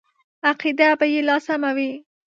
عقیده به یې لا سمه وي.